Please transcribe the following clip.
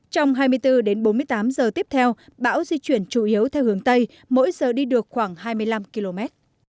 trong hai mươi bốn đến bốn mươi tám giờ tiếp theo bão di chuyển chủ yếu theo hướng tây mỗi giờ đi được khoảng hai mươi năm km